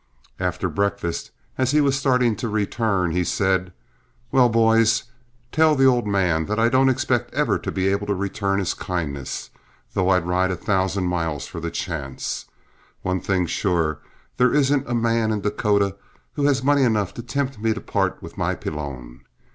After breakfast, and as he was starting to return, he said, "Well, boys, tell the old man that I don't expect ever to be able to return his kindness, though I'd ride a thousand miles for the chance. One thing sure, there isn't a man in Dakota who has money enough to tempt me to part with my pelon.